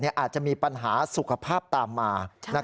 อาจจะมีปัญหาสุขภาพตามมา